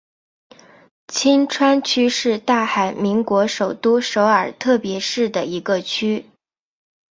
衿川区是大韩民国首都首尔特别市的一个区。